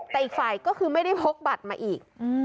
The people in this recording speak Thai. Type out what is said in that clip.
แต่อีกฝ่ายก็คือไม่ได้พกบัตรมาอีก